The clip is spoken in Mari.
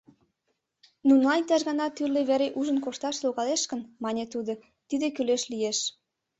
— Нунылан иктаж-гана тӱрлӧ вере ужын кошташ логалеш гын, — мане тудо, — тиде кӱлеш лиеш.